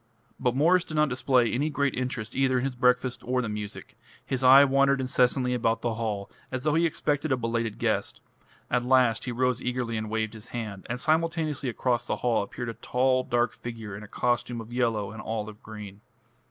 But Mwres did not display any great interest either in his breakfast or the music; his eye wandered incessantly about the hall, as though he expected a belated guest. At last he rose eagerly and waved his hand, and simultaneously across the hall appeared a tall dark figure in a costume of yellow and olive green.